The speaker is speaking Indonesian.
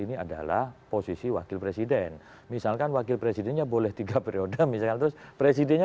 kalau keseluruhan sampe hadisten